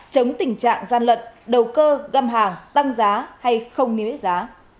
chống tình trạng gian lận đầu cơ găm hàng tăng giá hay không níu hết giá